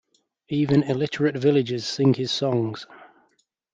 Even illiterate villagers sing his songs.